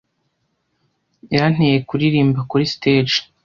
Yanteye kuririmba kuri stage.